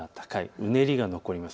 うねりが残ります。